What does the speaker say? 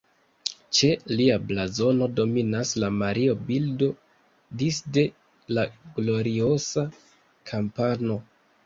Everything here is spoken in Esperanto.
Ĉe lia blazono dominas la Mario-bildo disde la Gloriosa-kampano.